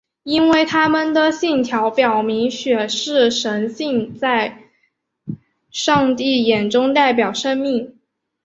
因为他们的信条表明血是神性的在上帝眼中代表生命。